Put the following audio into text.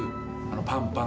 「パンパン！